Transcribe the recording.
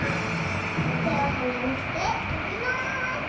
てをはねにしてとびまーす。